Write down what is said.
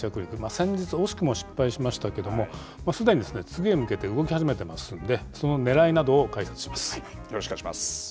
先日、惜しくも失敗しましたけども、すでに次へ向けて動き始めていますので、そのねらいなどを解説します。